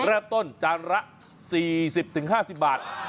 แพงไหมแรกต้นจานละ๔๐๕๐บาท